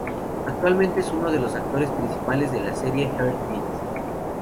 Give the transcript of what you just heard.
Actualmente es uno de los actores principales de la serie Heart Beat.